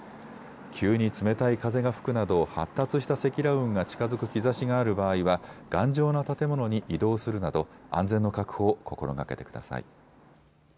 急に冷たい風が吹くなど発達した積乱雲が近づく兆しがある場合は、頑丈な建物に移動するなど安全の確保を心がけてください。